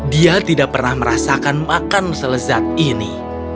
dia tidak pernah merasakan makan selezat ini